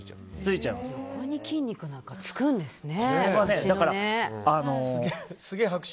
そこに筋肉なんかつくんですね。